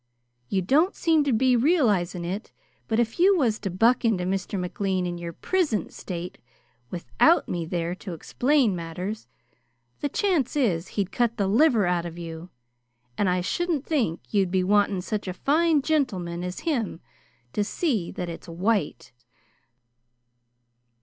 You don't seem to be realizing it, but if you was to buck into Mr. McLean in your prisint state, without me there to explain matters the chance is he'd cut the liver out of you; and I shouldn't think you'd be wanting such a fine gintleman as him to see that it's white!"